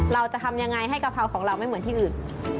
เราจะทำยังไงให้กะเพราของเราไม่เหมือนที่อื่น